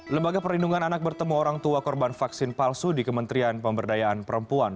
lembaga perlindungan anak bertemu orang tua korban vaksin palsu di kementerian pemberdayaan perempuan